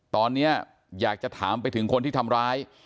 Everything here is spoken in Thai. ตอนนี้อยากจะถามไปถึงคนที่ทำร้าย